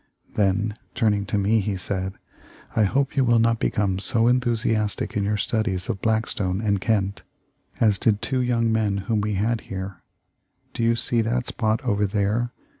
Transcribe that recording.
Then, turning to me, he said, 'I hope you will not become so enthusiastic in your studies of Blackstone and Kent as did two young men whom we had here. Do you see that spot over there?'